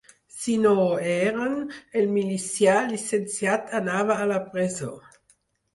Si no ho eren, el milicià llicenciat anava a la presó.